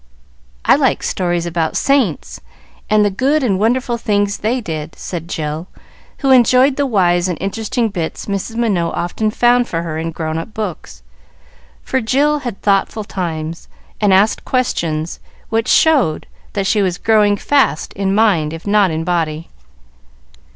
"I like stories about saints, and the good and wonderful things they did," said Jill, who enjoyed the wise and interesting bits Mrs. Minot often found for her in grown up books, for Jill had thoughtful times, and asked questions which showed that she was growing fast in mind if not in body.